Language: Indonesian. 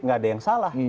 tidak ada yang salah